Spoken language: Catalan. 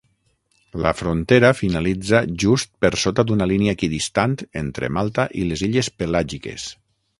La frontera finalitza just per sota d'una línia equidistant entre Malta i les illes Pelàgiques.